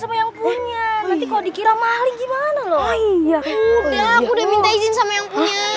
sama yang punya nanti kau dikira mali gimana loh iya udah udah minta izin sama yang punya